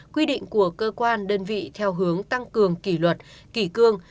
quy định của cơ quan đơn vị theo hướng tăng cường kỷ luật kỷ cương